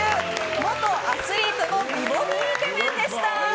元アスリートの美ボディーイケメンでした！